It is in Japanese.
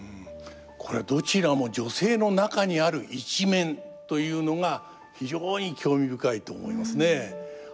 これどちらも女性の中にある一面というのが非常に興味深いと思いますね。